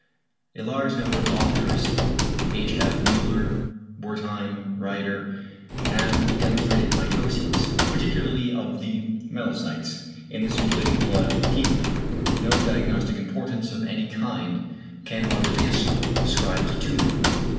A large number of authors (H. F. Müller, Wertheim, Rieder) have demonstrated mitoses, particularly of the myelocytes, in the circulating blood in leukæmia. No =diagnostic= importance of any kind can however be ascribed to them.